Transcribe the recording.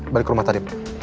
balik ke rumah tadi